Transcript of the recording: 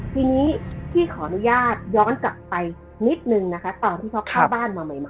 ทีนี้พี่ขออนุญาตย้อนกลับไปนิดนึงนะคะตอนที่เขาเข้าบ้านมาใหม่